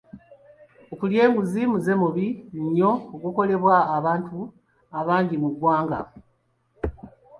Okulya enguzi muze mubi nnyo ogukolebwa abantu abangi mu ggwanga.